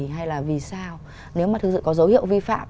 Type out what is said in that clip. hay là vì sao nếu mà thực sự có dấu hiệu